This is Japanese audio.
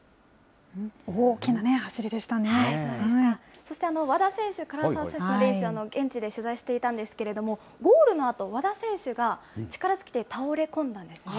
そして和田選手、唐澤選手のレース、現地で取材していたんですけれども、ゴールのあと、和田選手が力尽きて倒れ込んだんですね。